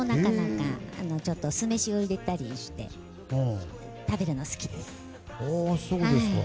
酢飯を入れたりして食べるの、好きです。